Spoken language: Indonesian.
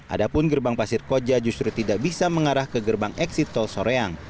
adapun gerbang pasir koja justru tidak bisa mengarah ke gerbang eksit tol soreang